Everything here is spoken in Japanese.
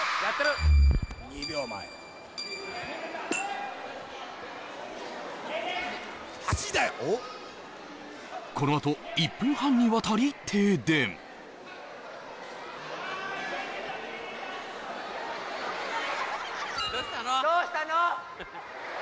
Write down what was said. ２秒前このあと１分半にわたり停電どうしたの？